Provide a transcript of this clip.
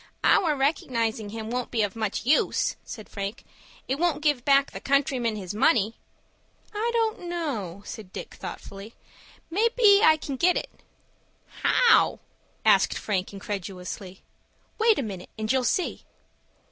"Our recognizing him won't be of much use," said Frank. "It won't give back the countryman his money." "I don't know," said Dick, thoughtfully. "May be I can get it." "How?" asked Frank, incredulously. "Wait a minute, and you'll see."